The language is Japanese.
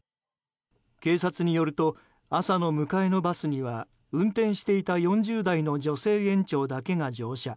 警察によると朝の迎えのバスには運転していた４０代の女性園長だけが乗車。